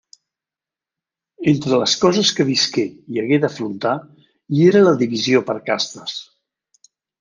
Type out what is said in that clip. Entre les coses que visqué i hagué d’afrontar, hi era la divisió per castes.